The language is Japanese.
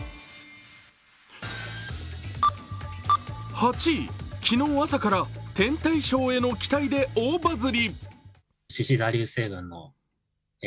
８位、昨日朝から天体ショーへの期待で大バズリ。